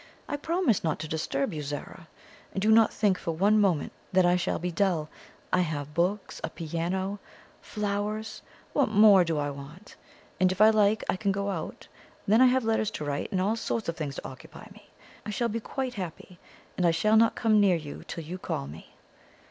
I promise not to disturb you, Zara; and do not think for one moment that I shall be dull. I have books, a piano, flowers what more do I want? And if I like I can go out; then I have letters to write, and all sorts of things to occupy me. I shall be quite happy, and I shall not come near you till you call me."